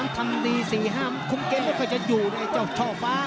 ทำดี๔๕คุมเกมแล้วก็จะอยู่ในเจ้าช่อฟ้า